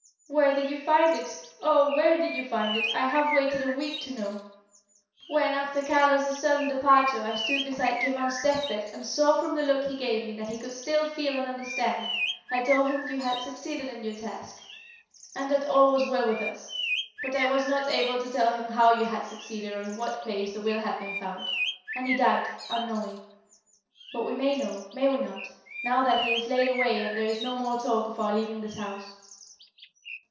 "Where did you find it? Oh! where did you find it? I have waited a week to know. When, after Carlos's sudden departure, I stood beside Clement's death bed and saw from the look he gave me that he could still feel and understand, I told him that you had succeeded in your task and that all was well with us. But I was not able to tell him how you had succeeded or in what place the will had been found; and he died, unknowing. But we may know, may we not, now that he is laid away and there is no more talk of our leaving this house?"